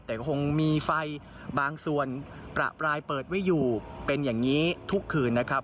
แต่ก็คงมีไฟบางส่วนประปรายเปิดไว้อยู่เป็นอย่างนี้ทุกคืนนะครับ